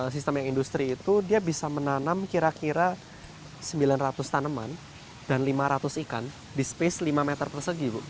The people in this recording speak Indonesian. sistem yang industri itu dia bisa menanam kira kira sembilan ratus tanaman dan lima ratus ikan di space lima meter persegi bu